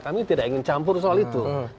kami tidak ingin campur soal itu